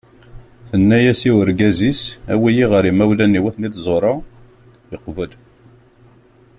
Tenna-as i urgaz-is awi-yi ɣer yimawlan-iw ad ten-id-ẓureɣ. yeqbel.